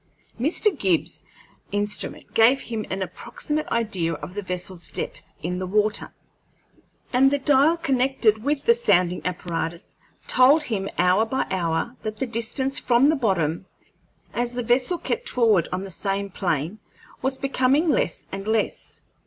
Mr. Gibbs's instrument gave him an approximate idea of the vessel's depth in the water, and the dial connected with the sounding apparatus told him hour by hour that the distance from the bottom, as the vessel kept forward on the same plane, was becoming less and less.